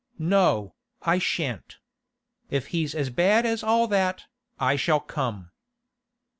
'No, I shan't. If he's as bad as all that, I shall come.